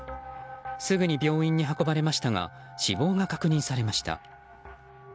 すぐに病院に運ばれましたが死亡が確認されました。